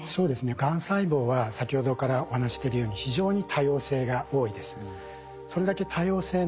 がん細胞は先ほどからお話ししてるように非常に多様性が多いです。